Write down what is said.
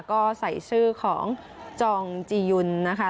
ก็ใส่ชื่อของจองจียุนนะคะ